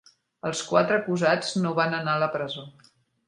Els quatre acusats no van anar a presó.